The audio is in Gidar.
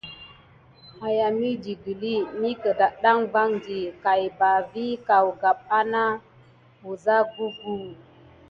Aya midi guəli mi kədaɗɗan vandi kay ɓa vi kawgap ana wəza guguhə.